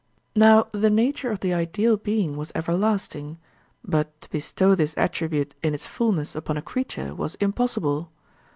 Now the nature of the ideal being was everlasting, but to bestow this attribute in its fulness upon a creature was impossible.